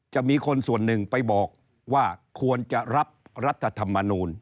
จะมีคนส่วนหนึ่งไปบอกว่าควรจะรับรัฐธรรมนูล